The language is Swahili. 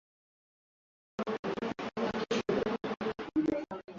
lililozaa makabila tajwa hapo juu katika taifa letu